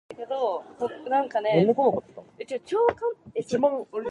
Pound often stayed with Rudge when their daughter visited Venice.